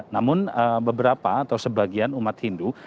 namun beberapa atau sebagian umat hindu